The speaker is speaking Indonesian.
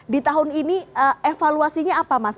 di tahun ini evaluasinya apa mas